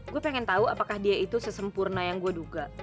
gua pengen tau apakah dia itu sesempurna yang gua duga